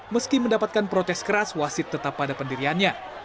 meski mendapatkan protes keras wasit tetap pada pendiriannya